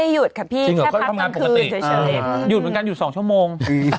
หยุดเหมือนกันหยุด๒ชั่วโมง